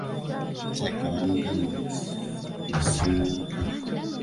Kirabika baamugamba mbu ssimuwagira.